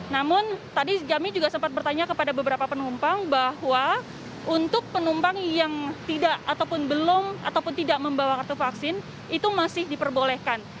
namun tadi kami juga sempat bertanya kepada beberapa penumpang bahwa untuk penumpang yang tidak ataupun belum ataupun tidak membawa kartu vaksin itu masih diperbolehkan